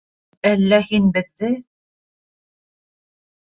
Әллә һин беҙҙе...